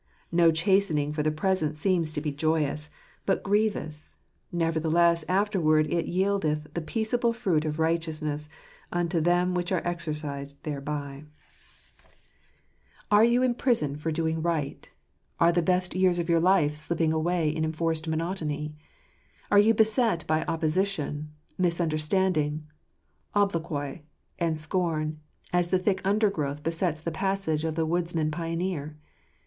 "No chastening for the present seemeth to be joyous, but grievous ; nevertheless afterward it yieldeth the peaceable fruit of righteousness unto them which are exercised thereby." Are you in prison 5 6 |ttisuttireretmr& nnb Bittprisotteft. for doing right? Are the best years of your life slipping away in enforced monotony ? Are you beset by opposition, misunderstanding, obloquy, and scorn, as the thick under growth besets the passage of the woodsman pioneer